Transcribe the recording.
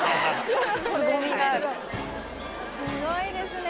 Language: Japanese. すごいですね